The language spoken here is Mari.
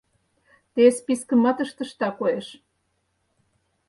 — Те спискымат ыштышда, коеш?